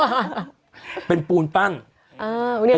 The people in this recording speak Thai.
ที่นี้คือแยคสามีเป็นฝรั่งด้วยไม่ใช่เป็นพูนปั้นอย่างนี้นะ